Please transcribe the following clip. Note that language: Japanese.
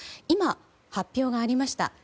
今、発表がありました。